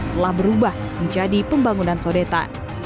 telah berubah menjadi pembangunan sodeta